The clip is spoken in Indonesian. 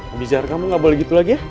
abizar kamu gak boleh gitu lagi ya